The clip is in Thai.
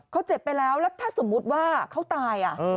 เขาเจ็บไปแล้วแล้วถ้าสมมุติว่าเขาตาย